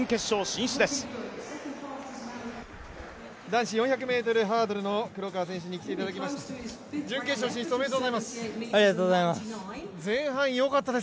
男子４００ｍハードルの黒川選手に来ていただきました。